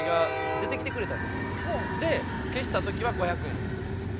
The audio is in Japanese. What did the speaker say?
で消した時は５００円あげてるっていう。